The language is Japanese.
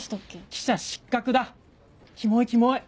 「記者失格だキモいキモい！」。